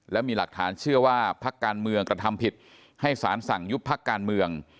และมีหลักฐานเชื่อว่าพักการเมืองกระทำผิดให้สารสั่งยุบพักการเมือง